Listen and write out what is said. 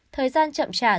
thời gian chậm trả